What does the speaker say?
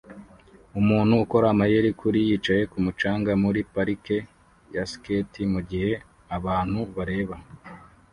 Umuntu ukora amayeri kuri yicaye kumucanga muri parike ya skate mugihe abantu bareba